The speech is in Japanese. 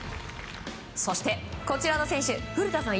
そして、こちらの選手古田さん